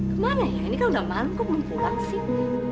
kemana ya ini kan udah malem kok belum pulang sih